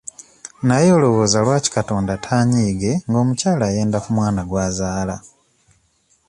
Naye olowooza lwaki Katonda taanyiige ng'omukyala ayenda ku mwana gw'azaala?